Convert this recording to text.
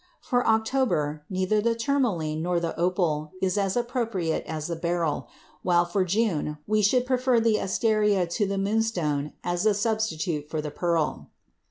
For October neither the tourmaline nor the opal is as appropriate as the beryl, while for June we should prefer the asteria to the moonstone as a substitute for the pearl.